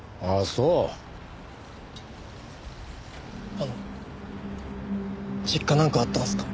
あの実家なんかあったんすか？